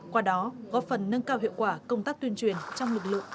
qua đó góp phần nâng cao hiệu quả công tác tuyên truyền trong lực lượng công an nhân dân